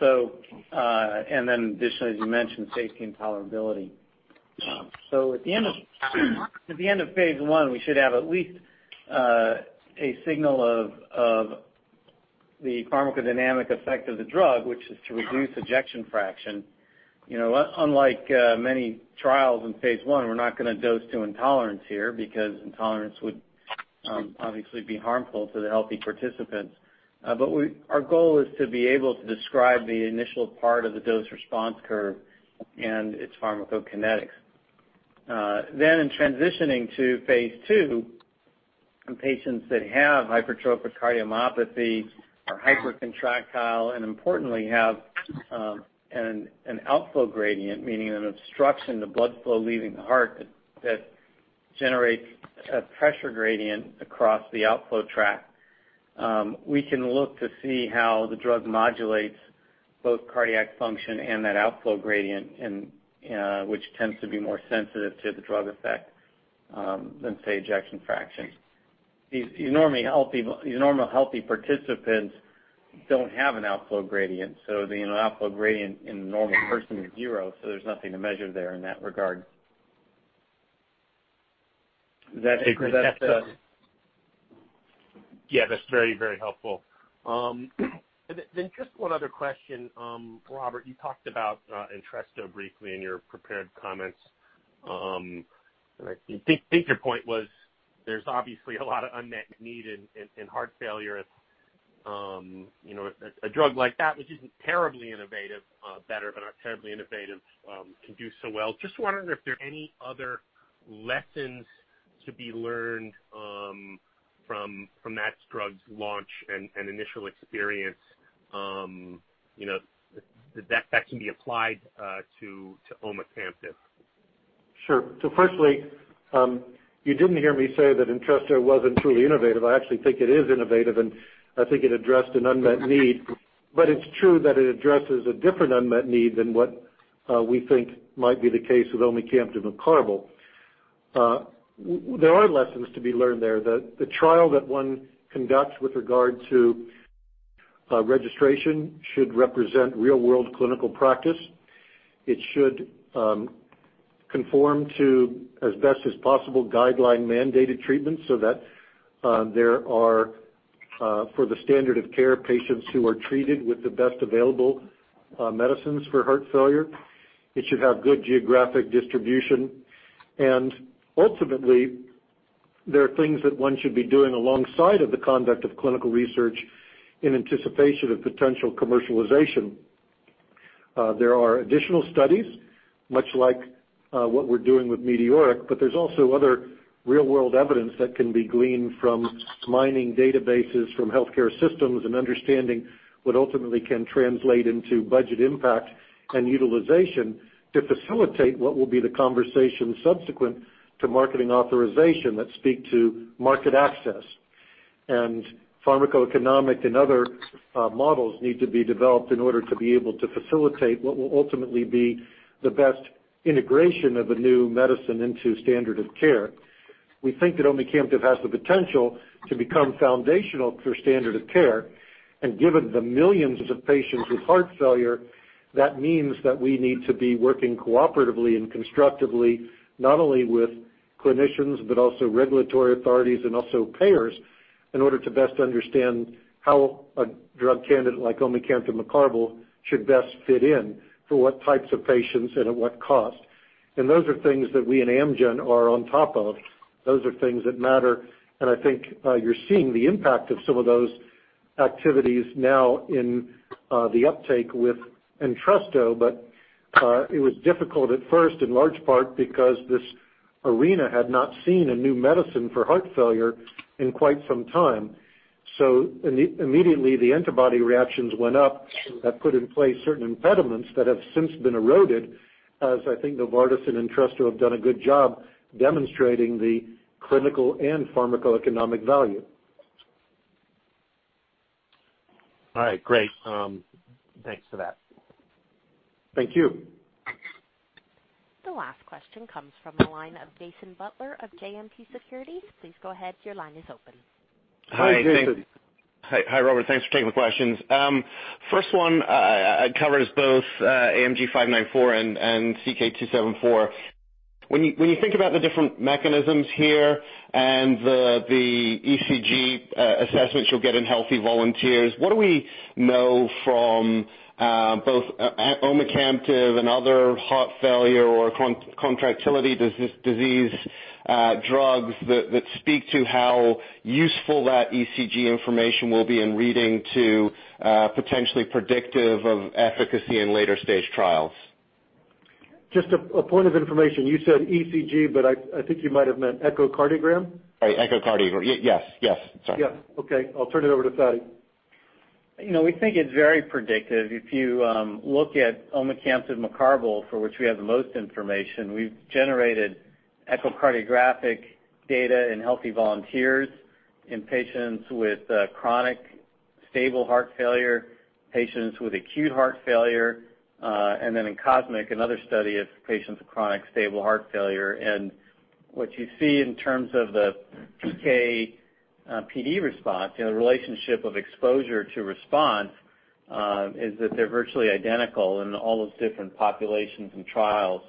Additionally, as you mentioned, safety and tolerability. At the end of phase I, we should have at least a signal of the pharmacodynamic effect of the drug, which is to reduce ejection fraction. Unlike many trials in phase I, we're not going to dose to intolerance here because intolerance would obviously be harmful to the healthy participants. Our goal is to be able to describe the initial part of the dose-response curve and its pharmacokinetics. In transitioning to phase II, in patients that have hypertrophic cardiomyopathy, are hypercontractile, and importantly have an outflow gradient, meaning an obstruction to blood flow leaving the heart that generates a pressure gradient across the outflow tract. We can look to see how the drug modulates both cardiac function and that outflow gradient, which tends to be more sensitive to the drug effect than, say, ejection fraction. These normal, healthy participants don't have an outflow gradient, so the outflow gradient in a normal person is zero, so there's nothing to measure there in that regard. Does that address? Yeah, that's very helpful. Just one other question. Robert, you talked about Entresto briefly in your prepared comments. I think your point was there's obviously a lot of unmet need in heart failure. A drug like that, which isn't terribly innovative, better but not terribly innovative, can do so well. Just wondering if there are any other lessons to be learned from that drug's launch and initial experience that can be applied to omecamtiv. Sure. Firstly, you didn't hear me say that Entresto wasn't truly innovative. I actually think it is innovative, and I think it addressed an unmet need. It's true that it addresses a different unmet need than what we think might be the case with omecamtiv mecarbil. There are lessons to be learned there. The trial that one conducts with regard to registration should represent real-world clinical practice. It should conform to, as best as possible, guideline-mandated treatment so that there are, for the standard of care, patients who are treated with the best available medicines for heart failure. It should have good geographic distribution. Ultimately, there are things that one should be doing alongside of the conduct of clinical research in anticipation of potential commercialization. There are additional studies, much like what we're doing with METEORIC-HF, there's also other real-world evidence that can be gleaned from mining databases from healthcare systems and understanding what ultimately can translate into budget impact and utilization to facilitate what will be the conversation subsequent to marketing authorization that speak to market access. Pharmacoeconomic and other models need to be developed in order to be able to facilitate what will ultimately be the best integration of a new medicine into standard of care. We think that omecamtiv has the potential to become foundational for standard of care. Given the millions of patients with heart failure, that means that we need to be working cooperatively and constructively, not only with clinicians, but also regulatory authorities and also payers, in order to best understand how a drug candidate like omecamtiv mecarbil should best fit in for what types of patients and at what cost. Those are things that we at Amgen are on top of. Those are things that matter, and I think you're seeing the impact of some of those activities now in the uptake with Entresto. It was difficult at first, in large part because this arena had not seen a new medicine for heart failure in quite some time. Immediately, the antibody reactions went up that put in place certain impediments that have since been eroded as I think Novartis and Entresto have done a good job demonstrating the clinical and pharmacoeconomic value. All right. Great. Thanks for that. Thank you. The last question comes from the line of Jason Butler of JMP Securities. Please go ahead, your line is open. Hi, Jason. Hi, Robert. Thanks for taking the questions. First one covers both AMG-594 and CK-274. When you think about the different mechanisms here and the ECG assessments you'll get in healthy volunteers, what do we know from both omecamtiv and other heart failure or contractility disease drugs that speak to how useful that ECG information will be in reading to potentially predictive of efficacy in later-stage trials? Just a point of information. You said ECG, but I think you might have meant echocardiogram. Sorry, echocardiogram. Yes. Sorry. Yeah. Okay. I'll turn it over to Fady. We think it's very predictive. If you look at omecamtiv mecarbil, for which we have the most information, we've generated echocardiographic data in healthy volunteers, in patients with chronic stable heart failure, patients with acute heart failure, and then in COSMIC-HF, another study of patients with chronic stable heart failure. What you see in terms of the PK/PD response, the relationship of exposure to response. Is that they're virtually identical in all those different populations and trials.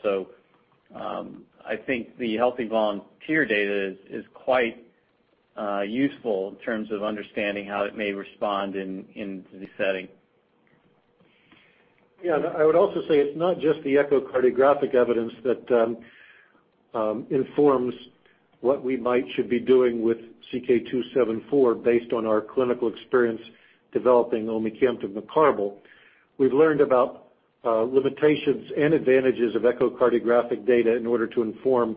I think the healthy volunteer data is quite useful in terms of understanding how it may respond in the setting. Yeah, I would also say it's not just the echocardiographic evidence that informs what we might should be doing with CK-274 based on our clinical experience developing omecamtiv mecarbil. We've learned about limitations and advantages of echocardiographic data in order to inform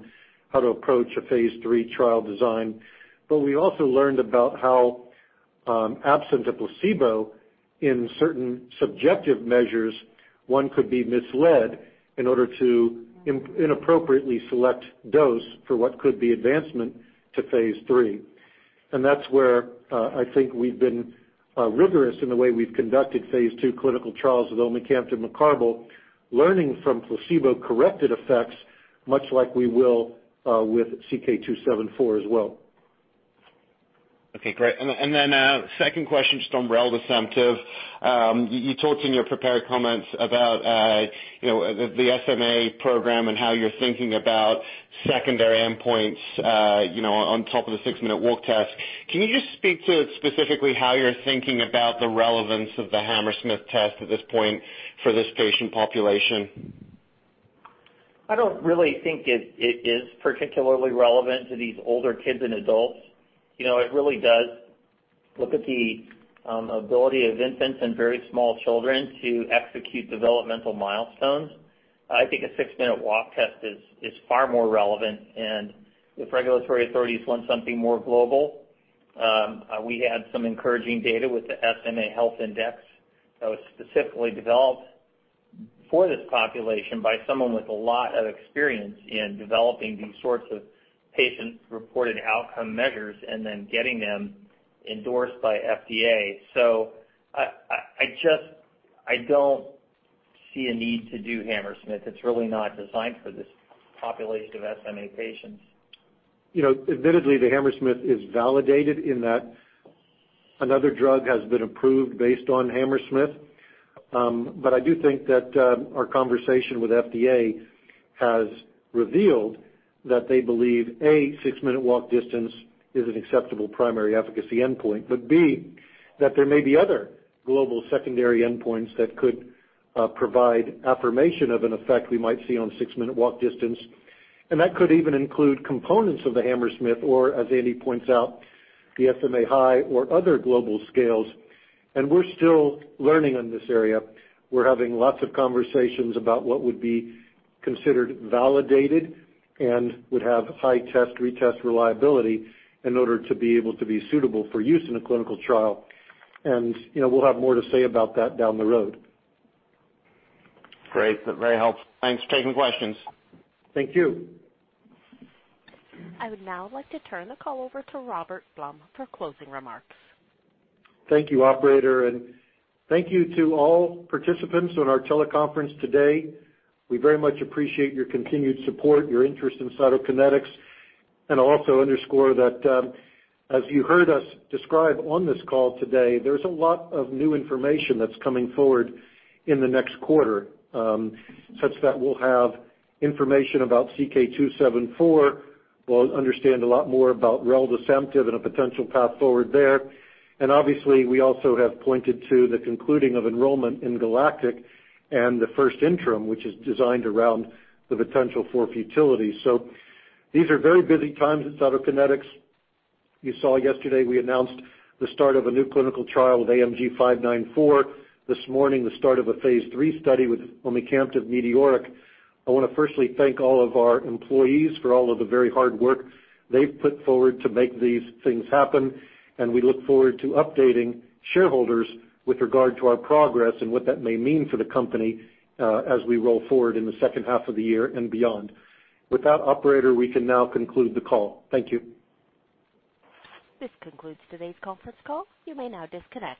how to approach a phase III trial design. We also learned about how, absent a placebo in certain subjective measures, one could be misled in order to inappropriately select dose for what could be advancement to phase III. That's where, I think we've been rigorous in the way we've conducted phase II clinical trials with omecamtiv mecarbil, learning from placebo-corrected effects, much like we will with CK-274 as well. Okay, great. A second question, just on reldesemtiv. You talked in your prepared comments about the SMA program and how you're thinking about secondary endpoints on top of the six-minute walk test. Can you just speak to specifically how you're thinking about the relevance of the Hammersmith test at this point for this patient population? I don't really think it is particularly relevant to these older kids and adults. It really does look at the ability of infants and very small children to execute developmental milestones. I think a six-minute walk test is far more relevant, and if regulatory authorities want something more global, we had some encouraging data with the SMA Health Index that was specifically developed for this population by someone with a lot of experience in developing these sorts of patient-reported outcome measures and then getting them endorsed by FDA. I don't see a need to do Hammersmith. It's really not designed for this population of SMA patients. Admittedly, the Hammersmith is validated in that another drug has been approved based on Hammersmith. I do think that our conversation with FDA has revealed that they believe, A, six-minute walk distance is an acceptable primary efficacy endpoint. B, that there may be other global secondary endpoints that could provide affirmation of an effect we might see on six-minute walk distance. That could even include components of the Hammersmith or, as Andy points out, the SMA HI or other global scales. We're still learning in this area. We're having lots of conversations about what would be considered validated and would have high test retest reliability in order to be able to be suitable for use in a clinical trial. We'll have more to say about that down the road. Great. Very helpful. Thanks for taking questions. Thank you. I would now like to turn the call over to Robert Blum for closing remarks. Thank you, operator, and thank you to all participants on our teleconference today. We very much appreciate your continued support, your interest in Cytokinetics, and also underscore that, as you heard us describe on this call today, there's a lot of new information that's coming forward in the next quarter, such that we'll have information about CK-274. We'll understand a lot more about reldesemtiv and a potential path forward there. Obviously, we also have pointed to the concluding of enrollment in GALACTIC and the first interim, which is designed around the potential for futility. These are very busy times at Cytokinetics. You saw yesterday we announced the start of a new clinical trial with AMG-594. This morning, the start of a phase III study with omecamtiv mecarbil. I want to firstly thank all of our employees for all of the very hard work they've put forward to make these things happen, and we look forward to updating shareholders with regard to our progress and what that may mean for the company as we roll forward in the second half of the year and beyond. With that operator, we can now conclude the call. Thank you. This concludes today's conference call. You may now disconnect.